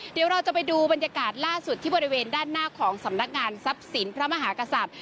เดี๋ยวเราจะไปดูบรรยากาศล่าสุดที่บริเวณด้านหน้าของสำนักงานทรัพย์สินพระมหากษัตริย์